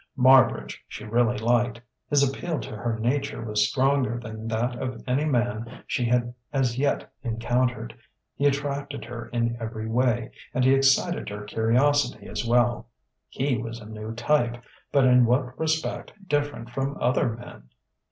Marbridge she really liked; his appeal to her nature was stronger than that of any man she had as yet encountered. He attracted her in every way, and he excited her curiosity as well. He was a new type but in what respect different from other men?